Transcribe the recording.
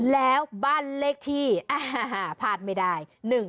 แล้วบ้านเลขที่พลาดไม่ได้